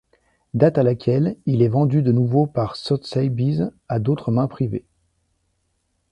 Date à laquelle, il est vendu de nouveau par Sotheby’s à d'autre main privée.